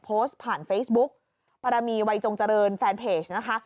โพสต์ผ่านเฟซบุ๊กปรมีวัยจงเจริญแฟนเพจนะคะ